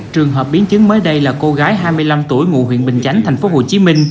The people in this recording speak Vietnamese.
trường hợp biến chứng mới đây là cô gái hai mươi năm tuổi ngụ huyện bình chánh tp hcm